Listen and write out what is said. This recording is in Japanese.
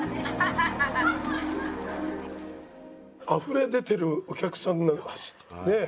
あふれ出てるお客さんのね。